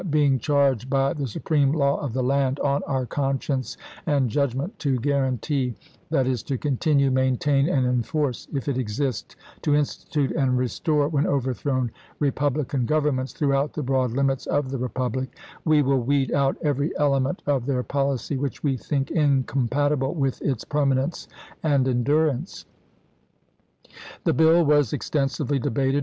v. being charged by the supreme law of the land on our conscience and judgment to guaranty, that is, to continue, maintain, and enforce, if it exist, to institute and restore when overthrown, repub lican governments throughout the broad limits of Appendix, the republic, we will weed out every element of mt^i their policy which we think incompatible with its pp. 83 85. permanence and endurance." The bill was extensively debated.